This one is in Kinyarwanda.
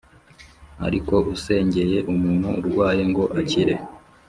ariko usengeye umuntu urwaye ngo akire,